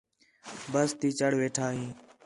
بس تی چڑھ ویٹھا ہیں